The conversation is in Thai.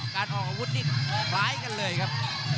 การออกอาวุธนี่คล้ายกันเลยครับ